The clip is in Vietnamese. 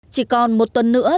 chỉ còn một tuần nữa